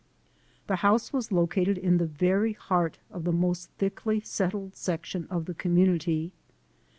The house was located in the very heart of the most thickly settled section of the community.